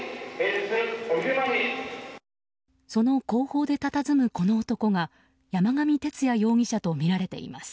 その後方で、たたずむこの男が山上徹也容疑者とみられています。